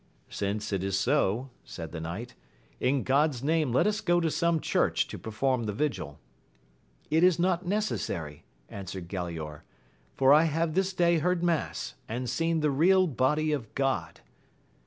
Since it is so, said the knight, in G od's name let us go to some church to perform the vigil. It is not necessary, answered Galaor, for I have this day heard mass, and seen the real body of God.